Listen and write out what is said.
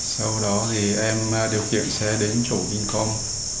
sau đó thì em điều khiển xe đến chỗ vinh con